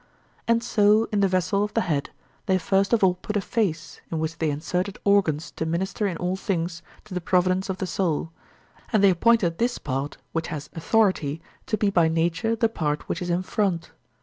And so in the vessel of the head, they first of all put a face in which they inserted organs to minister in all things to the providence of the soul, and they appointed this part, which has authority, to be by nature the part which is in front.